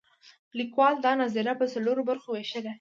لیکوال دا نظریه په څلورو برخو ویشلې.